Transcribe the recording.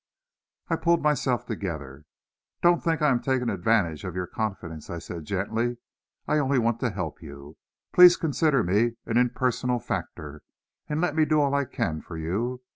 I pulled myself together. "Don't think I am taking advantage of your confidence," I said gently; "I want only to help you. Please consider me an impersonal factor, and let me do all I can for you.